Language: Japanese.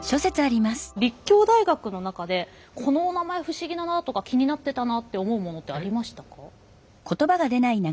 立教大学の中でこのおなまえ不思議だなとか気になってたなって思うものってありましたか？